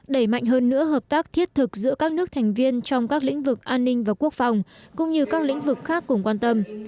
đẩy mạnh hơn nữa hợp tác thiết thực giữa các nước thành viên trong các lĩnh vực an ninh và quốc phòng cũng như các lĩnh vực khác cùng quan tâm